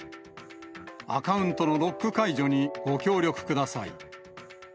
アカウントのロック解除にご協力ください。